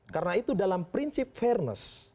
karena itu dalam prinsip fairness